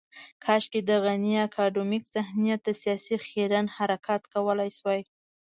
کاش د غني اکاډمیک ذهنیت د سياست خیرن حرکات کولای شوای.